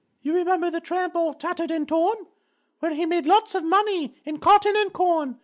"_You remember the tramp all tattered and torn? Well, he made lots of money in cotton and corn.